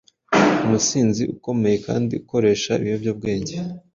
umusinzi ukomeye kandi ukoresha ibiyobyabwenge